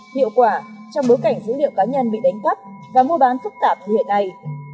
hiệu quả trong bối cảnh dữ liệu cá nhân bị đánh cắp và mua bán phức tạp như hiện nay